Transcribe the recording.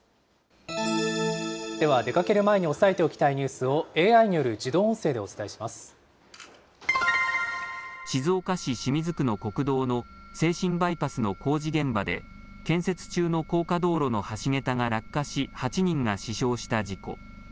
では出かける前に押さえておきたいニュースを、ＡＩによる自静岡市清水区の国道の静清バイパスの工事現場で、建設中の高架道路の橋桁が落下し、８人が死傷した事故。